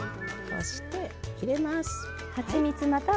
そして入れます！